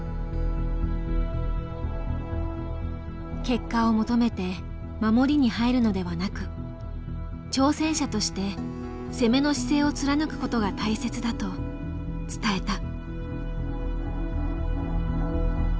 結果を求めて守りに入るのではなく挑戦者として攻めの姿勢を貫くことが大切だと伝えた。